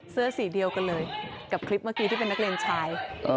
เสื้อสีเดียวกันเลยกับคลิปเมื่อกี้ที่เป็นนักเรียนชาย